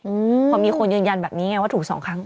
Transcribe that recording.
อืมพอมีคนยืนยันแบบนี้ไงว่าถูกสองครั้ง